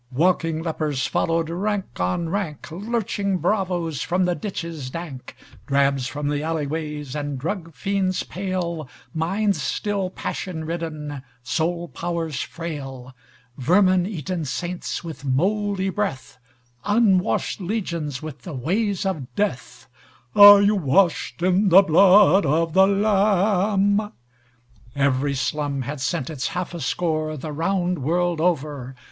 Walking lepers followed, rank on rank, Lurching bravoes from the ditches dank, Drabs from the alleyways and drug fiends pale—Minds still passion ridden, soul powers frail:—Vermin eaten saints with mouldy breath, Unwashed legions with the ways of Death—(Are you washed in the blood of the Lamb?)(Banjos)Every slum had sent its half a scoreThe round world over.